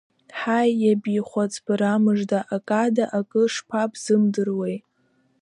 Ҳаи, иабихәац, бара мыжда, акада акы шԥабзымдыруеи.